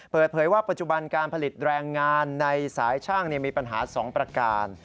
เปิดเผยว่าปัจจุบันการผลิตแรงงานในสายช่างมีปัญหา๒ประการ